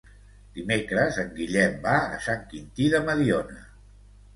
Dimecres en Guillem va a Sant Quintí de Mediona.